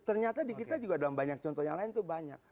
ternyata di kita juga dalam banyak contoh yang lain itu banyak